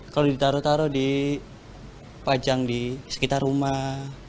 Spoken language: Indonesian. kalau ditaruh taruh di pajang di sekitar rumah